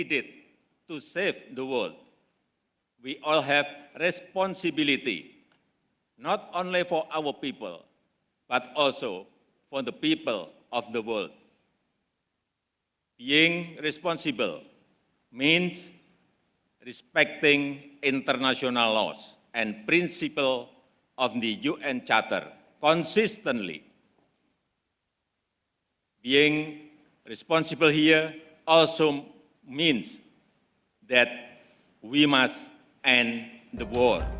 menyusahkan di sini juga berarti kita harus mengakhiri perang